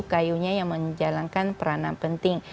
kayunya yang menjalankan peranan penting